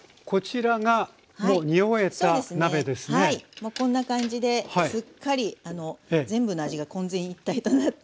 もうこんな感じですっかり全部の味が混然一体となって。